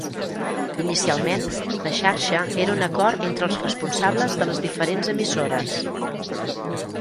Inicialment, la Xarxa era un acord entre els responsables de les diferents emissores.